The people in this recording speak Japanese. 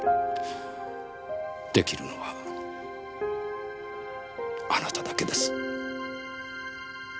できるのはあなただけです。